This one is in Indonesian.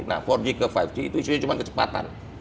nah empat g ke lima g itu isunya cuma kecepatan